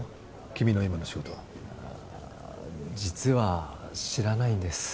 君の今の仕事実は知らないんです